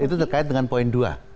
itu terkait dengan poin dua